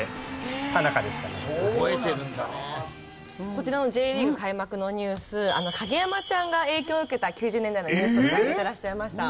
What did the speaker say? こちらのＪリーグ開幕のニュース影山ちゃんが影響を受けた９０年代のニュースとして挙げてらっしゃいました。